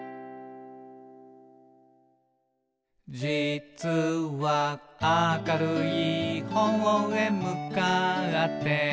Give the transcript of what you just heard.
「じつは、明るい方へ向かって」